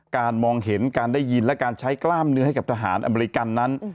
มองเห็นการได้ยินและการใช้กล้ามเนื้อให้กับทหารอเมริกันนั้น